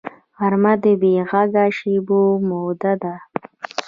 غرمه د بېغږه شېبو موده ده